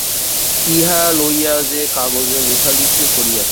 ইহা লইয়া সে কাগজে লেখালেখিও করিয়াছে।